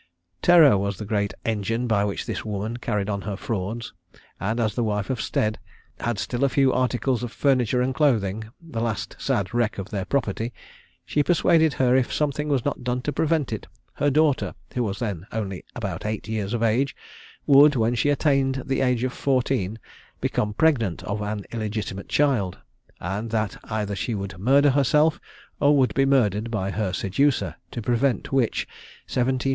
Terror was the great engine by which this woman carried on her frauds, and as the wife of Stead had still a few articles of furniture and clothing the last sad wreck of their property, she persuaded her if something was not done to prevent it, her daughter who was then only about eight years of age, would, when she attained the age of fourteen, become pregnant of an illegitimate child, and that either she would murder herself, or would be murdered by her seducer, to prevent which, 17_s.